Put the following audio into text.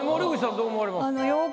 どう思われますか？